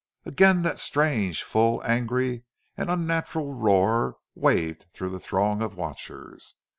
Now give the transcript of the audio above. Again that strange, full, angry, and unnatural roar waved through the throng of watchers.